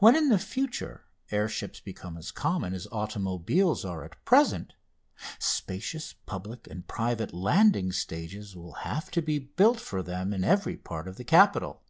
When in the future air ships become as common as automobiles are at present, spacious public and private landing stages will have to be built for them in every part of the capital.